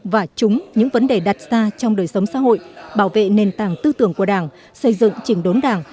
và chúng những vấn đề đặt ra trong đời sống xã hội bảo vệ nền tảng tư tưởng của đảng xây dựng trình đốn đảng